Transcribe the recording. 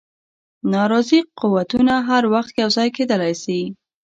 ناراضي قوتونه هر وخت یو ځای کېدلای شي.